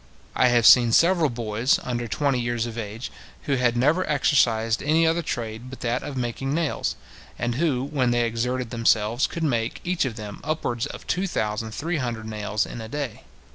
I have seen several boys, under twenty years of age, who had never exercised any other trade but that of making nails, and who, when they exerted themselves, could make, each of them, upwards of two thousand three hundred nails in a day.